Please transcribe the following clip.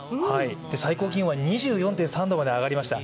最高気温は２４．３度まで上がりました。